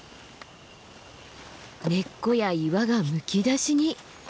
根っこや岩がむき出しに。